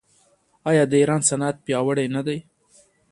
آیا د ایران صنعت پیاوړی نه دی؟